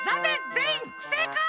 ぜんいんふせいかい！